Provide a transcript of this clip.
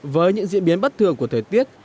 với những diễn biến bất thường của thời tiết